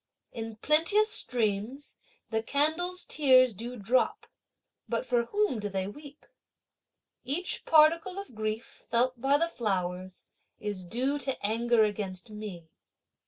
In plenteous streams the candles' tears do drop, but for whom do they weep? Each particle of grief felt by the flowers is due to anger against me.